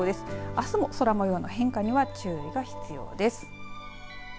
あすも空もようの変化には注意が必要です。